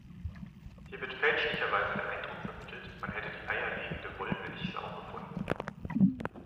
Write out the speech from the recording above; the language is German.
Hier wird fälschlicherweise der Eindruck vermittelt, man hätte die eierlegende Wollmilchsau gefunden.